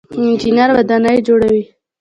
انجنیر ودانۍ جوړوي.